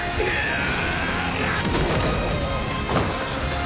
ああ！？